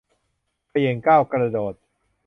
เขย่งก้าวกระโดด